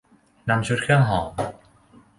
นำชุดเครื่องหอม